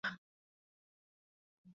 It is the sister of "Actephila".